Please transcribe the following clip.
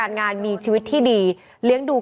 ก็เป็นสถานที่ตั้งมาเพลงกุศลศพให้กับน้องหยอดนะคะ